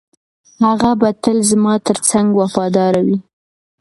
هغه به تل زما تر څنګ وفاداره وي.